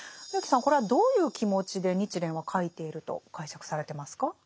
植木さんこれはどういう気持ちで日蓮は書いていると解釈されてますか？